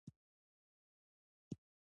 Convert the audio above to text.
د اوبو په بند کي الله تعالی موږکان پيدا کړل،